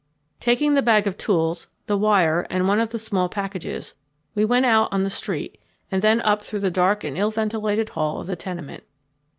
Taking the bag of tools, the wire, and one of the small packages, we went out on the street and then up through the dark and ill ventilated hall of the tenement.